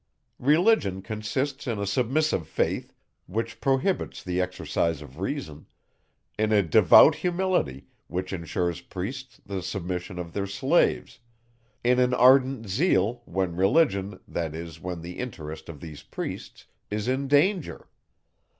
Religion consists in a submissive faith, which prohibits the exercise of reason; in a devout humility, which insures priests the submission of their slaves; in an ardent zeal, when Religion, that is, when the interest of these priests, is in danger.